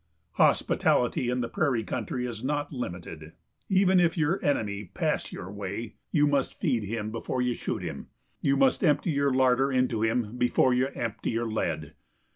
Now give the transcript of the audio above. Hospitality in the prairie country is not limited. Even if your enemy pass your way you must feed him before you shoot him. You must empty your larder into him before you empty your lead.